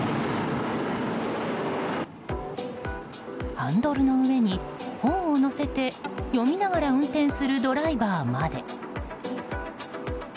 ハンドルの上に本を載せて読みながら運転するドライバーまで。